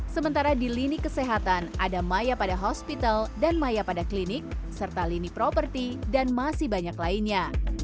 sementara di lini kesehatan ada maya pada hospital dan maya pada klinik serta lini properti dan masih banyak lainnya